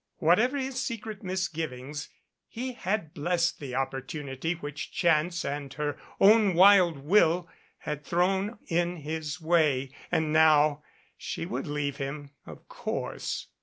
Whatever his secret misgivings, he had blessed the opportunity which chance and her own wild will had thrown in his way. And now she would leave him, of course.